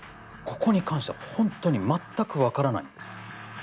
ここに関してはホントにまったく分からないんです。